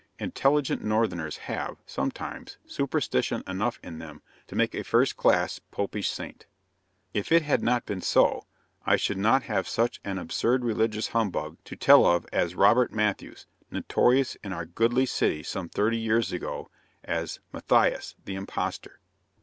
Intelligent Northerners have, sometimes, superstition enough in them to make a first class Popish saint. If it had not been so, I should not have such an absurd religious humbug to tell of as Robert Matthews, notorious in our goodly city some thirty years ago as "Matthias, the Impostor."